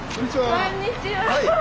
こんにちは。